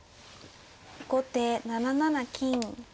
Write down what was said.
後手７七金。